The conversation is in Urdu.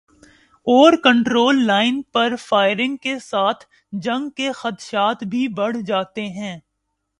اورکنٹرول لائن پر فائرنگ کے ساتھ جنگ کے خدشات بھی بڑھ جاتے ہیں۔